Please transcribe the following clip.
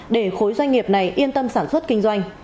để khối doanh nghiệp này yên tâm sản xuất kinh doanh